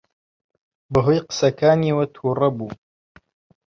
بەهۆی قسەکانیەوە تووڕە بوو.